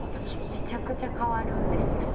めちゃくちゃ変わるんですよ。